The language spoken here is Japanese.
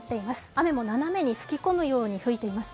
雨も斜めに吹き込むように降っています。